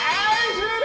終了！